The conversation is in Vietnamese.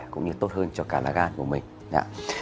cũng như tốt hơn cho cả lá gan của mình